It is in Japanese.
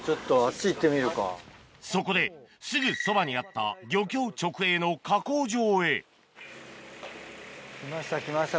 そこですぐそばにあった漁協直営の来ました来ました